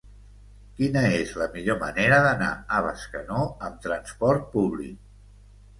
Quina és la millor manera d'anar a Bescanó amb trasport públic?